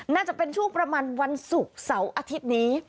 น่าจะเป็นช่วงประมาณวันศุกร์เสาร์อาทิตย์นี้